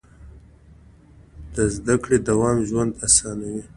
د زده کړې دوام ژوند اسانوي.